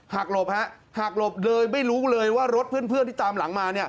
หลบฮะหักหลบเลยไม่รู้เลยว่ารถเพื่อนที่ตามหลังมาเนี่ย